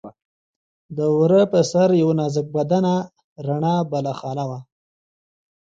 د ور پر سر یوه نازک بدنه رڼه بالاخانه وه.